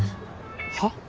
はっ？